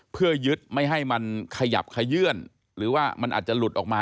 เพื่อยึดไม่ให้มันขยับขยื่นหรือว่ามันอาจจะหลุดออกมา